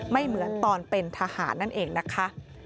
เหมือนตอนเป็นทหารนั่นเองนะคะ